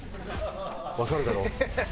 わかるだろ？